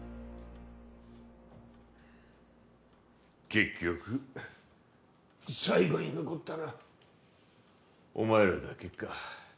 結局最後に残ったのはお前らだけか。